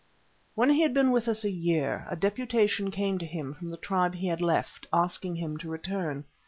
When he had been with us a year, a deputation came to him from the tribe he had left, asking him to return.